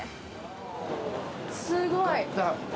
◆すごい。